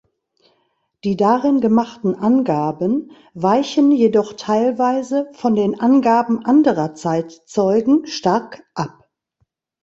Die darin gemachten Angaben weichen jedoch teilweise von den Angaben anderer Zeitzeugen stark ab.